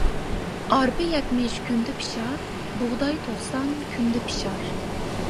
ئارپا يەتمىش كۈندە پىشار، بۇغداي توقسان كۈندە پىشار.